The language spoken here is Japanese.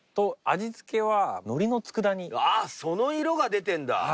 あっその色が出てるんだ。